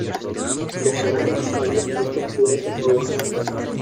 Pensará que nunca habían visto un juguete nuevo antes.